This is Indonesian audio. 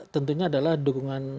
tentunya adalah dukungan